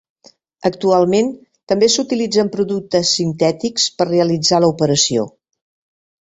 Actualment, també s'utilitzen productes sintètics per a realitzar l'operació.